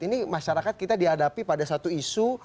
ini masyarakat kita dihadapi pada satu isu